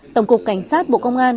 tổng cục cảnh sát bộ công an